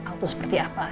al tuh seperti apa